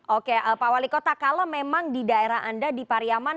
oke pak wali kota kalau memang di daerah anda di pariaman